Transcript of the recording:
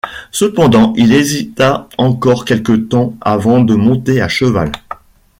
Cependant il hésita encore quelque temps avant de monter à cheval.